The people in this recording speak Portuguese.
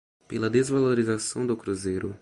pela desvalorização do cruzeiro